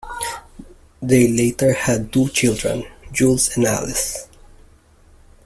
They later had two children, Jules and Alice.